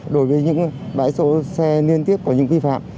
đối với những bãi xe liên tiếp có những vi phạm